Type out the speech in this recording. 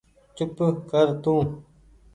چوپ ڪر تو